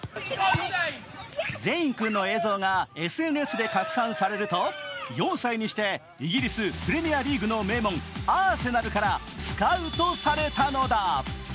ゼイン君の映像がＳＮＳで拡散されると４歳にしてイギリス・プレミアリーグの名門、アーセナルからスカウトされたのだ。